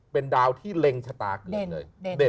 เป็นดาวที่เล็งชะตาเกิดเลย